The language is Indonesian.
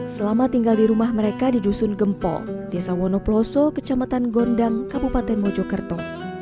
selama tinggal di rumah mereka di dusun gempol desa wonoploso kecamatan gondang kabupaten mojokerto